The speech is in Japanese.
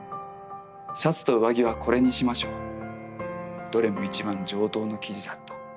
『シャツと上着はこれにしましょう』どれも一番上等の生地だった。